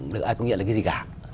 được ai có nhận được cái gì cả